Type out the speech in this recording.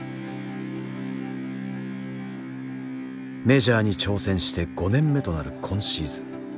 メジャーに挑戦して５年目となる今シーズン。